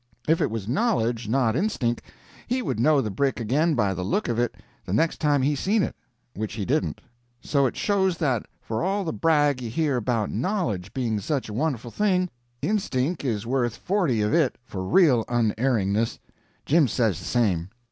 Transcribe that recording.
If it was knowledge, not instink, he would know the brick again by the look of it the next time he seen it—which he didn't. So it shows that for all the brag you hear about knowledge being such a wonderful thing, instink is worth forty of it for real unerringness. Jim says the same.